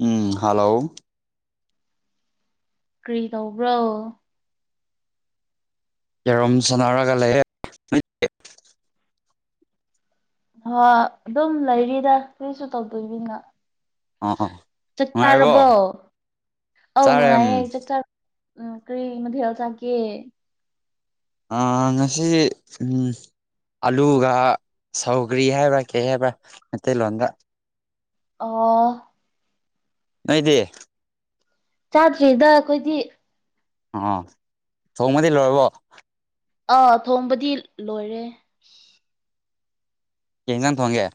ꯎꯝ hello ꯀꯔꯤ ꯇꯧꯕ꯭ꯔꯣ ꯀꯔꯝ ꯁꯅꯥꯔꯒꯂꯦ ꯍ ꯑꯗꯨꯝ ꯂꯩꯔꯤꯗ ꯀꯔꯤꯁꯨ ꯇꯧꯗꯣꯏꯕꯤꯅ ꯑꯣ ꯑꯣ ꯆꯠ ꯆꯔꯕꯣ ꯅꯨꯡꯉꯥꯏꯔꯤꯕꯣ ꯑ ꯆꯥꯔꯦ ꯅꯨꯡꯉꯥꯏ ꯎꯝ ꯆꯠꯇ ꯎꯝ ꯀꯔꯤ ꯃꯊꯦꯜ ꯆꯥꯀꯦ ꯑ ꯉꯁꯤ ꯎꯝ ꯑꯂꯨꯒ ꯁꯧꯒ꯭ꯔꯤ ꯍꯥꯏꯕ꯭ꯔꯥ ꯀꯩ ꯍꯥꯏꯕ꯭ꯔꯥ ꯃꯩꯇꯩꯂꯣꯟꯗ ꯑ ꯅꯣꯏꯗꯤ ꯆꯥꯗ꯭ꯔꯤꯗ ꯑꯩꯈꯣꯏꯗꯤ ꯑꯥ ꯁꯣꯡꯃꯗꯤ ꯂꯣꯏꯔꯕꯣ ꯑꯥ ꯊꯣꯡꯕꯗꯤ ꯂꯣꯏꯔꯦ ꯀꯒꯥꯟ ꯊꯣꯡꯒꯦ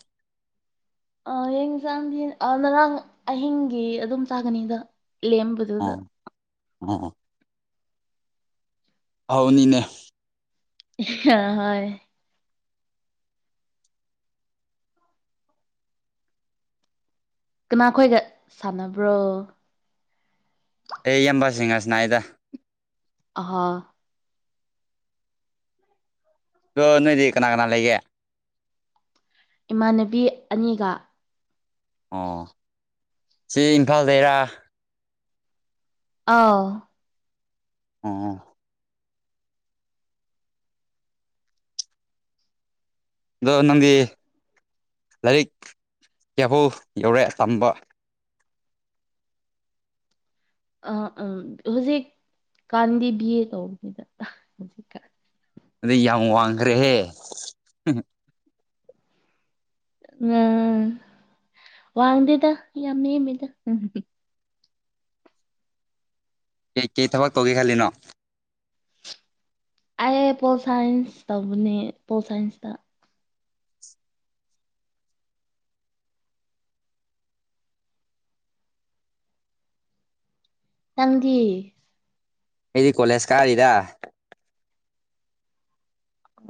ꯑ ꯌꯦꯡ ꯆꯥꯡꯗꯤ ꯉꯔꯥꯡ ꯑꯍꯤꯡꯒꯤ ꯑꯗꯨꯝ ꯆꯥꯒꯅꯤꯗ ꯑꯝꯕꯗꯗ ꯑꯣ ꯑꯣ ꯑꯥꯎꯅꯤꯅꯦ ꯑ ꯍꯣꯏ ꯀꯅꯥꯈꯣꯏꯒ ꯁꯥꯟꯅꯕ꯭ꯔꯣ ꯑꯦ ꯏꯕꯁꯤꯡ ꯑꯁꯅꯥꯏꯗ ꯑ ꯑꯣꯏ ꯅꯣꯏꯗꯤ ꯀꯅꯥ ꯀꯅꯥ ꯂꯩꯒꯦ ꯏꯃꯥꯟꯅꯕꯤ ꯑꯅꯤꯒ ꯑꯣ ꯁꯤ ꯏꯝꯐꯥꯜꯗꯩꯔꯥ ꯑꯧ ꯑꯣ ꯑꯗꯣ ꯅꯪꯗꯤ ꯂꯥꯏꯔꯤꯛ ꯀꯌꯥꯐꯧ ꯌꯧꯔꯦ ꯇꯝꯕ ꯑꯥ ꯎꯝ ꯍꯧꯖꯤꯛ ꯀꯥꯟꯗꯤ ꯕꯤ ꯑꯦ ꯇꯧꯕꯅꯤꯗ ꯍꯧꯖꯤꯛꯀꯥꯟ ꯑꯗꯨꯗꯩ ꯌꯥꯝ ꯋꯥꯡꯈ꯭ꯔꯦꯍꯦ ꯎꯝ ꯋꯥꯡꯗꯦꯗ ꯌꯥꯝ ꯅꯦꯃꯤꯅꯦ ꯀꯩ ꯀꯩ ꯊꯕꯛ ꯀꯧꯒꯦ ꯈꯜꯂꯤꯅꯣ ꯑꯩ ꯄꯣꯜ ꯁꯥꯏꯟꯁ ꯇꯧꯕꯅꯦ ꯄꯣꯜ ꯁꯥꯏꯟꯁꯇ ꯇꯪꯒꯤ ꯑꯩꯗꯤ ꯀꯣꯂꯦꯖ ꯀꯥꯔꯤꯗ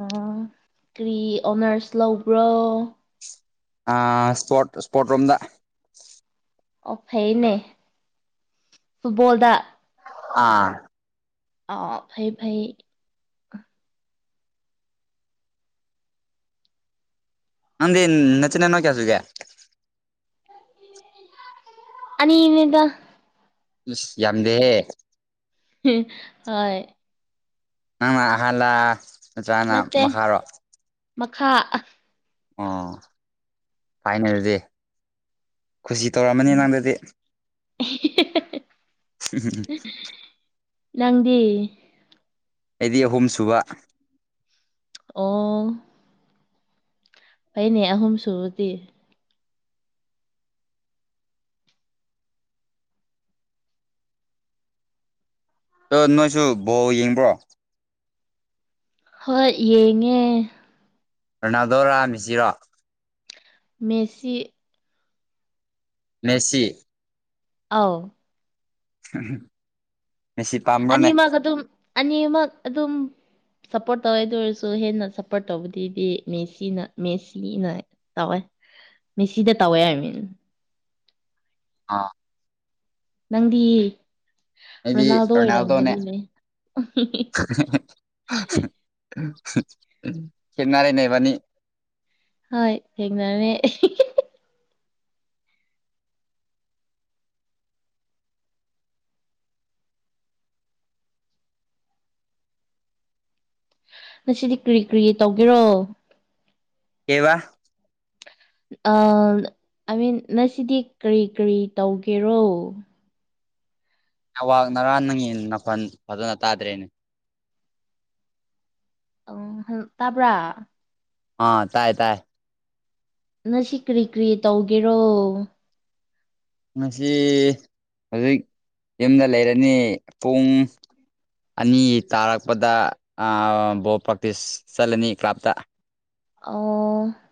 ꯑ ꯀꯔꯤ ꯑꯣꯅꯔꯁ ꯂꯧꯕ꯭ꯔꯣ ꯑ ꯏꯁꯄꯣꯔꯠ ꯏꯁꯄꯣꯔꯠ ꯔꯣꯝꯗ ꯑꯣ ꯐꯩꯅꯦ ꯐꯨꯠꯕꯣꯜꯗ ꯑꯥ ꯑꯣ ꯐꯩ ꯐꯩ ꯅꯗꯤ ꯅꯆꯤꯅ ꯅꯣ ꯀꯌꯥꯁꯨꯒꯦ ꯑꯅꯤ ꯅꯤꯗ ꯑꯁ ꯌꯥꯝꯗꯦꯍꯦ [unintelligible] ꯍꯣꯏ ꯅꯪꯅ ꯑꯍꯜꯂ ꯃꯆꯥꯅ ꯅꯠꯇꯦ ꯃꯈꯥꯔꯣ ꯃꯈꯥ ꯑꯣ ꯐꯥꯏꯅꯦꯜꯗꯤ ꯈꯨꯁꯤ ꯇꯧꯔꯝꯃꯅꯤ ꯎꯝ ꯅꯪꯗꯗꯤ ꯎꯝ ꯎꯝ ꯎꯝ ꯅꯪꯗꯤ ꯑꯩꯗꯤ ꯑꯍꯨꯝ ꯁꯨꯕ ꯑꯣ ꯐꯩꯅꯦ ꯑꯍꯨꯝ ꯁꯨꯕꯗꯤ ꯑ ꯅꯣꯏꯁꯨ ꯕꯣ ꯌꯦꯡꯕ꯭ꯔꯣ ꯍꯣꯏ ꯌꯦꯡꯉꯦ ꯔꯣꯅꯥꯜꯗꯣ ꯔꯥ ꯃꯦꯁꯤꯔꯣ ꯃꯦꯁꯤ ꯃꯦꯁꯤ ꯑꯥꯎ ꯎꯝ ꯑꯅꯤꯃꯛ ꯑꯗꯨꯝ ꯑꯅꯤꯃꯛ ꯑꯗꯨꯝ ꯁꯞꯄꯣꯔꯠ ꯇꯧꯔꯦꯗ ꯑꯣꯏꯔꯁꯨ ꯍꯦꯟꯅ ꯁꯞꯄꯣꯔꯠ ꯇꯧꯕꯗꯨꯗꯤ ꯃꯦꯁꯤꯅ ꯃꯦꯁꯤꯅ ꯃꯦꯁꯤꯗ ꯇꯋꯦ ꯑꯥꯏꯕ ꯑꯥ ꯅꯪꯗꯤ ꯑꯩꯗꯤ ꯔꯣꯅꯥꯜꯗꯣ ꯔꯣꯅꯥꯜꯗꯣꯅꯦ ꯑꯣꯏꯔꯝꯒꯅꯤꯅꯦ ꯀꯦꯠꯅꯔꯦꯅꯦ ꯢꯕꯅꯤ ꯍꯣꯏ ꯈꯦꯠꯅꯔꯦ ꯉꯁꯤꯗꯤ ꯀꯔꯤ ꯀ꯭ꯔꯤ ꯇꯧꯕꯔꯣ [inaudible] ꯑ ꯑꯥꯏ ꯃꯤꯟ ꯉꯁꯤꯗꯤ ꯀꯔꯤ ꯀꯔꯤ ꯇꯧꯒꯦꯔꯣ ꯑꯋꯥꯥꯛ ꯉꯔꯥꯡ ꯅꯪꯌꯦ ꯅꯥꯄꯜ ꯐꯖꯅ ꯇꯥꯗ꯭ꯔꯦꯅꯦ ꯑꯪ ꯍꯜꯂꯣ ꯇꯥꯕ꯭ꯔꯥ ꯑꯥ ꯇꯥꯏ ꯇꯥꯏ ꯅꯁꯤ ꯀꯔꯤ ꯀꯔꯤ ꯇꯧꯒꯦꯔꯣ ꯉꯁꯤ ꯍꯧꯖꯤꯛ ꯌꯨꯝꯗ ꯂꯩꯔꯅꯤ ꯄꯨꯡ ꯑꯅꯤ ꯇꯥꯔꯛꯄꯗ ꯕꯣꯜ ꯄ꯭ꯔꯥꯛꯇꯤꯁ ꯆꯠꯂꯅꯤ ꯀ꯭ꯂꯥꯞꯇ ꯑ [unintelligible] [inaudible]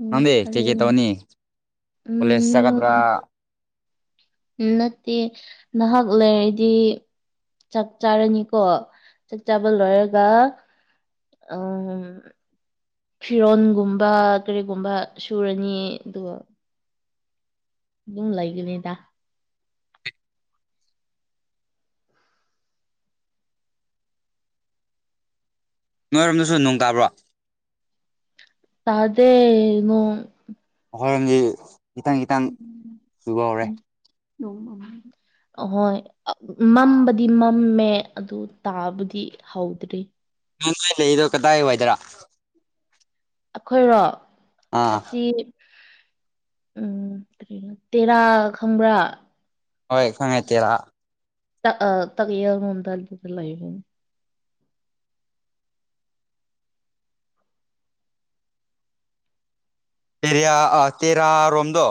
ꯎꯝ ꯅꯪꯗꯤ ꯆꯤꯀꯤꯦ ꯐꯔꯦꯅꯦ ꯇꯧꯅꯤ ꯑꯣꯂꯦꯁ ꯆꯗ꯭ꯔ ꯎꯝ ꯅꯠꯇꯦ ꯅꯍꯥꯛ ꯂꯩꯔꯗꯤ ꯆꯥꯛ ꯆꯥꯔꯅꯤꯀꯣ ꯆꯥꯛ ꯆꯥꯕ ꯂꯣꯏꯔꯒ ꯑ [unintelligible] [inaudible] ꯐꯤꯔꯣꯟꯒꯨꯝꯕ ꯀꯔꯤꯒꯨꯝꯕ ꯁꯨꯔꯅꯤ ꯑꯗꯨꯒ ꯂꯥꯛꯒꯅꯤ ꯇ ꯅꯣꯏꯔꯣꯝꯗꯁꯨ ꯅꯅꯨꯡ ꯇꯥꯕ꯭ꯔꯣ ꯇꯥꯗꯦ ꯅꯣꯡ ꯑꯩꯣꯏꯔꯣꯝꯗꯤ ꯈꯤꯇꯪ ꯈꯤꯇꯪ ꯁꯨꯒ ꯍꯧꯔꯦ ꯑꯍꯣꯏ ꯃꯝꯕꯗꯤ ꯃꯝꯃꯦ ꯑꯗꯨ ꯇꯥꯕꯗꯤ ꯍꯧꯗ꯭ꯔꯔꯤ ꯅ ꯅꯣꯏ ꯂꯩꯔꯤꯗꯣ ꯀꯗꯥꯏ ꯋꯥꯏꯗꯔ ꯑꯩꯈꯣꯏꯔꯣ ꯑꯥ ꯑꯁꯤ ꯎꯝ ꯀꯔꯤꯣ ꯇꯦꯔꯥ ꯈꯝꯕ꯭ꯔꯥ ꯍꯣꯏ ꯈꯪꯉꯥꯏ ꯇꯦꯔꯥ ꯇꯒꯔ ꯍꯗꯗ ꯂꯥꯏꯕꯅꯤ ꯇꯔꯌꯥ ꯇꯦꯔꯥ ꯔꯣꯝꯗ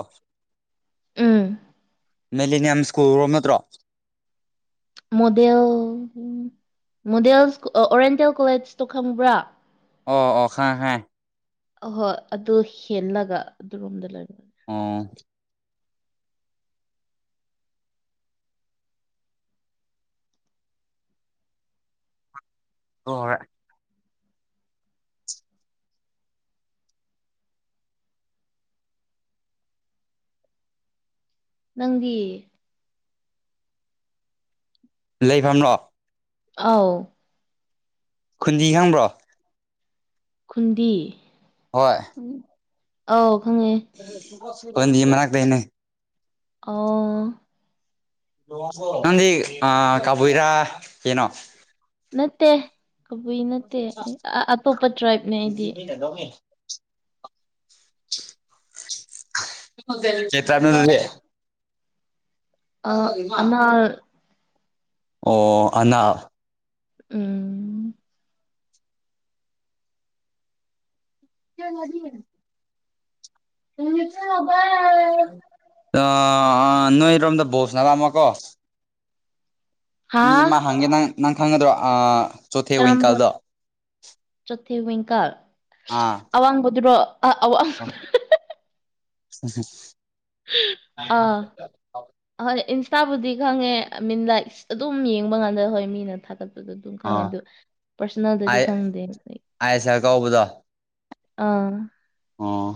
ꯎꯝ ꯃꯦꯂꯦꯅꯤꯌꯝ ꯁ꯭ꯀꯨꯜꯣꯝ ꯅꯠꯇ꯭ꯔꯣ ꯃꯣꯗꯦꯜ ꯃꯣꯗꯦꯜꯁ ꯑꯣꯔꯤꯌꯦꯟꯇꯦꯜ ꯀꯣꯂꯦꯖꯇꯣ ꯈꯪꯕ꯭ꯔꯥ ꯑꯣ ꯑꯣ ꯍ ꯍꯦ ꯑ ꯍꯣꯏ ꯑꯗꯨ ꯍꯦꯜꯂꯒ ꯑꯗꯨꯔꯣꯝꯗ ꯂꯩꯔ ꯑꯥ ꯍ [inaudible] [unintelligible] ꯅꯪ [unintelligible] [inaudible] ꯂꯩꯐꯝꯂꯣ ꯑꯥꯎ ꯈꯨꯟꯗꯤ ꯈꯪꯕ꯭ꯔꯣ ꯈꯨꯟꯗꯤ ꯍꯣꯏ ꯑꯣ ꯃꯅꯥꯗꯅꯦ ꯑ [unintelligible] [inaudible] ꯅ ꯑ ꯀꯕꯨꯨꯔꯥ ꯌꯦꯅꯣ ꯅꯠꯇꯦ ꯀꯕꯨꯏ ꯅꯠꯇꯦ ꯑꯇꯣꯞꯄ ꯇ꯭ꯔꯥꯏꯞꯅꯦ ꯑꯩꯗꯤ [unintelligible] [inaudible] ꯆꯇꯦ ꯑ ꯑꯅꯥ ꯑꯣ ꯑꯅꯥ ꯎꯝ ꯀꯗꯤ ꯅꯨꯃꯤ ꯆꯕ ꯅꯣꯏꯔꯣꯝꯗ ꯣꯁ ꯅ ꯂꯃ ꯀꯣ ꯍꯥ ꯃꯤ ꯑꯃ ꯍꯪꯒꯦ ꯅꯪ ꯅꯪ ꯈꯪꯒꯗ꯭ꯔꯣ ꯆꯣꯊꯦ ꯋꯤꯡꯀꯥꯜꯗꯣ ꯤꯡꯀꯥ ꯑꯋꯥꯡꯕꯗꯨꯔꯣ ꯑꯋꯥꯡ ꯍ ꯍ ꯑ ꯍ ꯏ ꯍꯞꯇꯥꯕꯨꯗꯤ ꯈꯪꯉꯦ ꯑꯥꯏ ꯃꯤꯟ ꯂꯥꯏꯛ ꯑꯗꯨꯝ ꯌꯦꯡꯕ ꯀꯥꯟꯗ ꯍꯣꯏ ꯃꯤꯅ ꯊꯥꯒꯠ ꯑꯗꯨꯝ ꯈꯪꯉꯦ ꯑꯗꯨ ꯄꯥꯔꯁꯣꯅꯦꯜꯗꯗꯤ ꯑꯥꯏ ꯈꯪꯗꯦ ꯑꯥꯏ ꯑꯦꯁ ꯑꯦꯜ ꯀꯧꯕꯗꯣ ꯑꯥ ꯑꯣ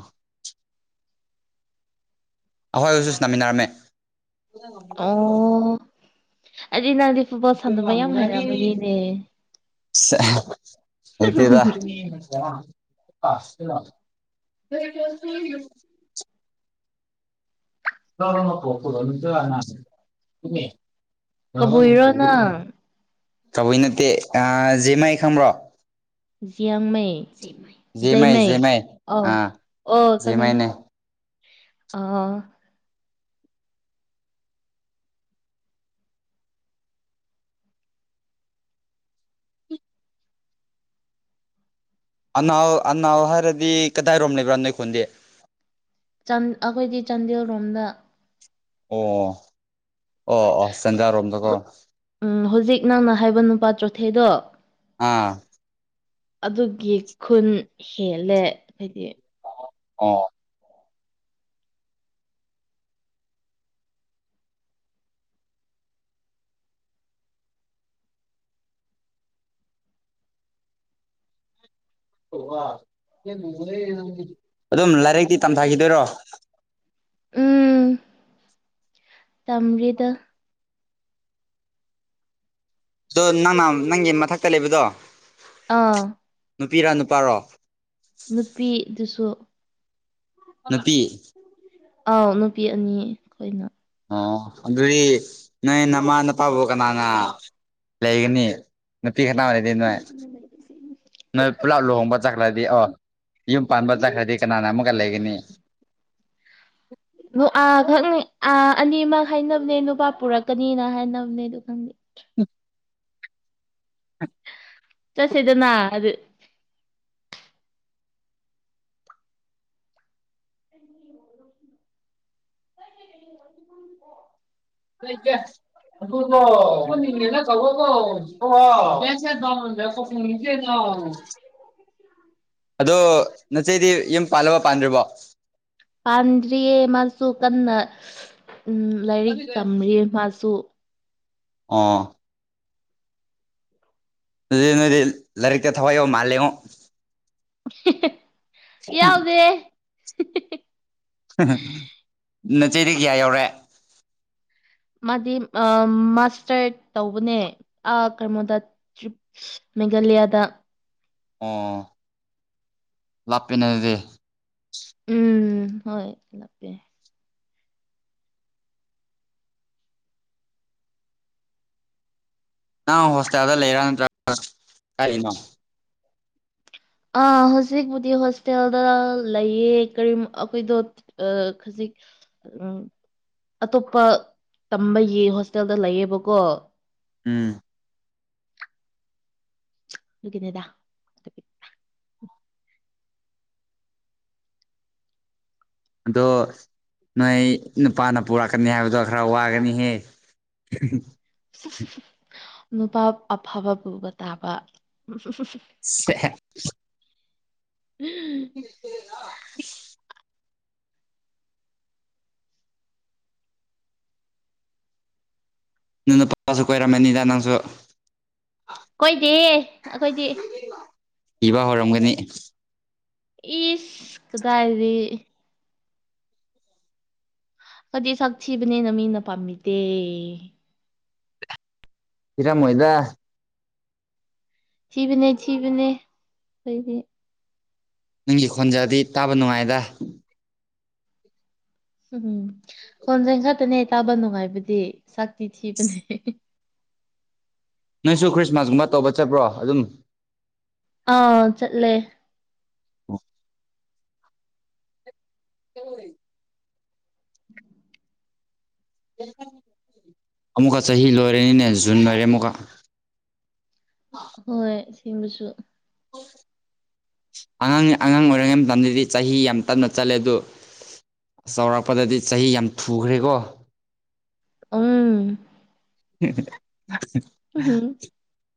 ꯑꯩꯈꯣꯏ ꯑꯣꯏꯁꯨ ꯁ ꯅꯃꯤꯟꯅꯔꯝꯃꯦ ꯔꯤ ꯅꯪꯗꯤ ꯐꯨꯠꯕꯣꯜ ꯁꯥꯟꯅꯕ ꯌꯥꯝ ꯍꯩꯔꯛꯑꯝꯕꯅꯤꯅꯦ ꯔ ꯑ ꯄꯣꯕꯂꯦꯝ ꯄꯣ ꯀꯗꯣꯠꯇ ꯀꯕꯨ ꯏꯔꯣꯅ ꯇꯧꯕꯣꯏ ꯅꯠꯇꯦ ꯑ ꯖꯦꯃꯥꯏ ꯈꯪꯕ꯭ꯔꯣ ꯖꯤꯌꯥꯪ ꯖꯦꯃꯥꯏ ꯃꯩꯩꯃꯩ ꯖꯦꯃꯥꯏ ꯑ ꯑꯥ ꯑꯣ ꯈꯉꯦ ꯖꯦꯃꯥꯏꯅꯦ ꯑꯥ ꯑꯅꯥꯎ ꯑꯅꯥꯎ ꯍꯥꯏꯔꯗꯤ ꯀꯗꯥꯏꯔꯣꯝ ꯂꯩꯕ꯭ꯔꯥ ꯅꯣꯏꯈꯣꯟꯗꯤ ꯑꯩꯈꯣꯏꯒꯤ ꯆꯥꯟꯗꯦꯜ ꯔꯣꯝꯗ ꯑꯣ ꯑꯣ ꯑꯣ ꯁꯦꯟꯖꯥꯔꯣꯝꯗꯀꯣ ꯍꯨ- ꯎꯝ ꯍꯧꯖꯤꯛ ꯅꯪꯅ ꯍꯥꯏꯕ ꯅꯨꯄꯥ ꯆꯣꯊꯩꯗꯣ ꯑꯥ ꯑꯗꯨꯒꯤ ꯈꯨꯟ ꯍꯦꯜꯂꯦ ꯍꯥꯏꯗꯤ ꯑ ꯑꯗꯨꯝ ꯂꯥꯏꯔꯤꯛꯇꯤ ꯇꯝꯊꯥꯈꯤꯗꯣꯏꯔꯣ ꯎꯝ ꯇꯝꯔꯤꯗ ꯑꯗꯣ ꯅꯪꯅ ꯅꯪꯒꯤ ꯃꯊꯛꯇ ꯂꯩꯕꯗꯣ ꯑꯥ ꯅꯨꯄꯤꯔꯥ ꯅꯨꯄꯥꯔꯣ ꯅꯨꯄꯤꯗꯨꯁꯨ ꯅꯨꯄꯤ ꯑꯥꯎ ꯅꯨꯄꯤ ꯑꯅꯤ ꯑꯩꯈꯣꯏꯅ ꯑꯣ ꯑꯗꯨꯗꯤ ꯅꯣꯏ ꯅꯃꯥ ꯅꯄꯥꯕꯨꯧ ꯀꯅꯥꯅ ꯂꯩꯒꯅꯤ ꯅꯨꯄꯤ ꯈꯅꯥ ꯑꯣꯏꯔꯗꯤ ꯅꯣꯏ ꯅꯣꯏ ꯄꯨꯂꯞ ꯂꯨꯍꯣꯡꯕ ꯆꯠ ꯗꯤ ꯑꯣ ꯌꯨꯝ ꯄꯥꯟꯕ ꯆꯠꯈ꯭ꯔꯗꯤ ꯀꯅꯥꯅ ꯑꯃꯨꯛꯒ ꯂꯩꯒꯅꯤ ꯑ ꯈꯪꯅꯤ ꯑ ꯑꯅꯤꯃꯛ ꯍꯥꯏꯅꯕꯅꯦ ꯅꯨꯄꯥ ꯄꯨꯔꯛꯀꯅꯤꯅ ꯍꯥꯏꯅꯕꯅꯦ ꯑꯗꯨ ꯈꯪꯗꯦ ꯎꯝ ꯆꯁꯗꯅ ꯑꯗꯨ ꯀꯣꯏ ꯀ ꯑꯗꯨꯣ ꯅ ꯀ ꯀꯣ ꯄꯩꯁꯣꯦ ꯑꯥ ꯑꯗꯣ ꯅꯆꯦꯗꯤ ꯌꯨꯝ ꯄꯥꯜꯂꯕ ꯄꯥꯟꯗ꯭ꯔꯤꯕꯣ ꯄꯥꯟꯗꯔꯤꯌꯦꯦ ꯃꯁꯨ ꯀꯟꯅ ꯎꯝ ꯂꯥꯏꯔꯤꯛ ꯇꯝꯔꯤ ꯃꯥꯁꯨ ꯑꯥ ꯑꯗꯨ ꯅꯗꯤ ꯂꯥꯏꯔꯤꯛꯇ ꯊꯋꯥꯏ ꯌꯥꯎ ꯃꯥꯜꯂꯉꯣ ꯌꯥꯎꯗꯦ ꯅꯆ ꯆꯩꯗ ꯀꯌꯥ ꯌꯧꯔꯦ ꯃꯥꯗꯤ ꯃꯥꯁꯇꯔ ꯇꯧꯕꯅꯦ ꯀꯩꯅꯣꯗ ꯃꯦꯘꯂꯌꯥꯗ ꯑꯣ ꯂꯞꯄꯦꯅꯦ ꯑꯗꯨꯗꯤ ꯎꯝ ꯍꯣꯏ ꯆꯂꯥꯛꯄꯦ ꯅꯪ ꯍꯣꯁꯇꯦꯜꯗ ꯂꯩꯔ ꯅꯠꯇ꯭ꯔꯒ ꯀꯔꯤꯅꯣ ꯑ ꯍꯧꯖꯤꯛꯄꯕꯨꯗꯤ ꯍꯣꯁꯇꯦꯜꯗ ꯂꯩꯌꯦ ꯀꯔꯤ ꯑꯩꯈꯣꯏꯗꯣ ꯑ ꯑꯇꯣꯞꯄ ꯇꯝꯕꯒꯤ ꯍꯣꯁꯇꯦꯜꯗ ꯂꯩꯌꯦꯕꯀꯣ ꯎꯝ ꯗ ꯑꯗꯣ ꯅꯣꯏ ꯅꯨꯄꯥꯅ ꯄꯨꯔꯛꯀꯅꯤ ꯍꯥꯏꯕꯗꯣ ꯈꯔ ꯋꯥꯒꯅꯤꯍꯦ [unintelligible] [unintelligible] ꯅꯨꯄꯥ ꯑꯐꯕ ꯄꯨꯕ ꯇꯥꯕ ꯐꯁꯦ ꯎ ꯅꯅ ꯄꯥꯄꯥꯁꯨ ꯀꯣꯏꯔꯝꯃꯦꯅꯤꯗ ꯅꯪꯁꯨ ꯀꯣꯏꯗꯤ ꯑꯩꯈꯣꯏꯗꯤ ꯏꯕ ꯍꯧꯔꯝꯒꯅꯤ ꯏꯁ ꯀꯗꯥꯗꯤ ꯍꯥꯏꯗꯤ ꯆꯛ ꯊꯤꯕꯅꯦꯅ ꯃꯤꯅ ꯄꯥꯝꯃꯤꯗꯦ ꯀꯔꯃ ꯑꯣꯏꯗ ꯁꯤꯤꯕꯅꯦ ꯆꯤꯕꯅꯦ ꯑꯩꯗꯤ ꯅꯪꯒꯤ ꯈꯣꯟꯖꯗꯤ ꯇꯥꯕ ꯅꯨꯡꯉꯥꯏꯗ ꯎꯝ ꯎꯝ ꯈꯣꯟꯖꯦꯟ ꯈꯛꯇꯅꯦ ꯇꯥꯕ ꯅꯨꯡꯉꯥꯏꯕꯗꯤ ꯁꯛꯇꯤ ꯊꯤꯕꯅꯦ ꯅꯣꯏꯁꯨ ꯈ꯭ꯔꯤꯁꯃꯥꯁꯀꯨꯝꯕ ꯇꯧꯕ ꯆꯠꯄ꯭ꯔꯣ ꯑꯗꯨꯝ ꯑꯥ ꯆꯠꯂꯦ ꯍ [unintelligible] ꯑꯃꯨꯛꯀ ꯆꯍꯤ ꯂꯣꯏꯔꯦꯅꯤꯅꯦ ꯖꯨꯟ ꯃꯔꯤꯦ ꯑꯃꯨꯛꯀ ꯍꯣꯏ ꯁꯤꯕꯁꯨ [unintelligible] ꯑꯉꯥꯡ ꯑꯉꯥꯡ ꯑꯣꯏꯔꯤꯉꯩ ꯃꯇꯝꯗꯗꯤ ꯆꯍꯤ ꯌꯥꯝ ꯇꯞꯅ ꯆꯠꯂꯦ ꯑꯗꯨ ꯆꯥꯎꯔꯥꯛꯄꯗꯗꯤ ꯆꯍꯤ ꯌꯥꯝ ꯊꯨꯈ꯭ꯔꯦꯀꯣ ꯎꯝ ꯎꯝ [unintelligible]